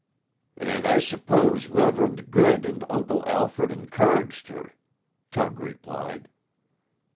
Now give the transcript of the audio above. "And I suppose Reverend Good and Uncle Alfred encouraged her," Tug replied.